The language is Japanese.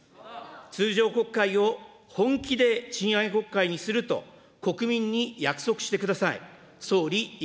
通常国会を本気で賃上げ国会にすると、国民に約束してください。